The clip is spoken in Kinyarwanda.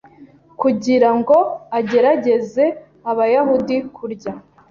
Kugira ngo agerageze abayahudi kurya